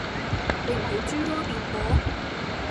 你唔好諸多辯駁?